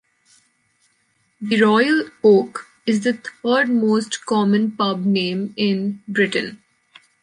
"The Royal Oak" is the third most common pub name in Britain.